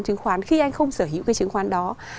chứng khoán khi anh không sở hữu cái chứng khoán đó